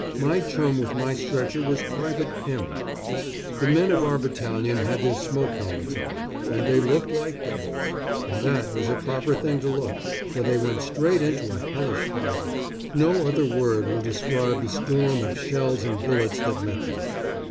My chum with my stretcher was Private Pymm. The men of our battalion had their smoke helmets on, and they looked like devils. And that was a proper thing to look, for they went straight into a hellish fire no other word will describe the storm of shells and bullets that met them.